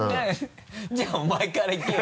じゃあお前からいけよ。